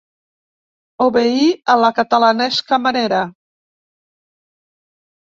Obeir a la catalanesca manera.